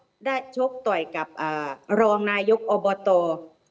ทะเลาะได้โชคต่อยกับรองนายกอบอตตอร์